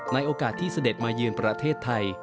ในโอกาสที่เสด็จมายืนประเทศไทย